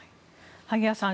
萩谷さん